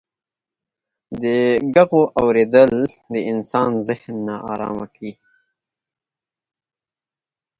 د ږغو اورېدل د انسان ذهن ناآرامه کيي.